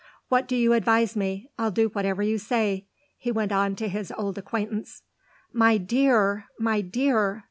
"What do you advise me? I'll do whatever you say," he went on to his old acquaintance. "My dear, my dear